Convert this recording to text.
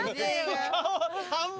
顔半分。